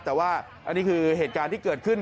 แต่ว่าอันนี้คือเหตุการณ์ที่เกิดขึ้น